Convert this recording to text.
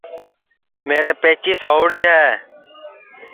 میرے پئچیس ہؤڑی ہے